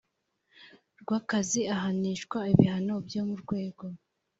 rw akazi ahanishwa ibihano byo mu rwego